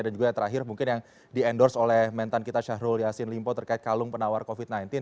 dan juga terakhir mungkin yang di endorse oleh mentan kita syahrul yasin limpo terkait kalung penawar covid sembilan belas